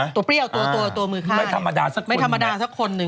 จะเปรี้ยวตัวมือข้าวไม่ธรรมานาสักคนหนึ่ง